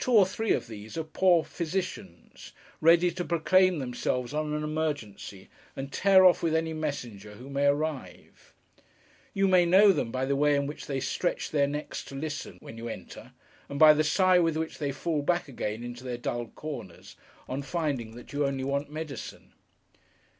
Two or three of these are poor physicians, ready to proclaim themselves on an emergency, and tear off with any messenger who may arrive. You may know them by the way in which they stretch their necks to listen, when you enter; and by the sigh with which they fall back again into their dull corners, on finding that you only want medicine.